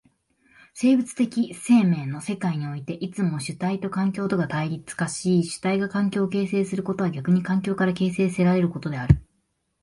生物的生命の世界においてはいつも主体と環境とが相対立し、主体が環境を形成することは逆に環境から形成せられることである。